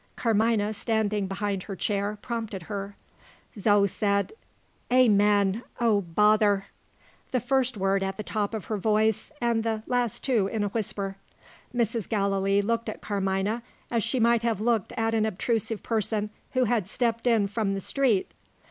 Carmina, standing behind her chair, prompted her. Zo said "Amen; oh, bother!" the first word at the top of her voice, and the last two in a whisper. Mrs. Gallilee looked at Carmina as she might have looked at an obtrusive person who had stepped in from the street.